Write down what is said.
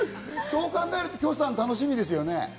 そう考えると、キョさん楽しみですよね。